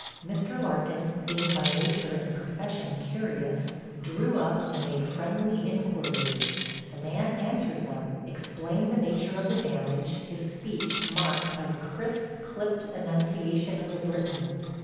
Mr. Larkin, being by nature and profession curious, drew up and made friendly inquiries. The man answered them, explained the nature of the damage, his speech marked by the crisp, clipped enunciation of the Briton.